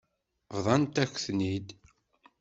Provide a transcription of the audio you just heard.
Bḍant-ak-ten-id.